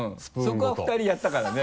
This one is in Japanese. そこは２人やったからね。